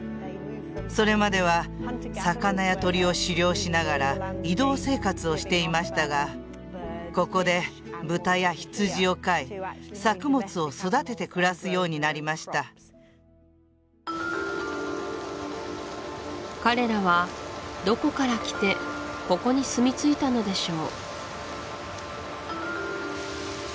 それまでは魚や鳥を狩猟しながら移動生活をしていましたがここで豚や羊を飼い作物を育てて暮らすようになりました彼らはどこから来てここに住み着いたのでしょう？